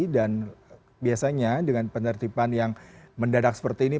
dan biasanya dengan penerimaan yang mendadak seperti ini